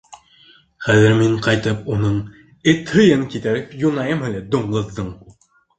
Хәҙер мин ҡайтып уның эт һыйын китәреп юнайым әле, дуңғыҙҙың!